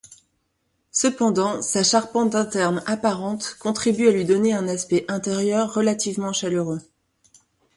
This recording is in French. Cependant, sa charpente interne apparente contribue à lui donner un aspect intérieur relativement chaleureux.